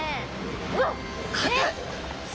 うわっ！えっ！硬い。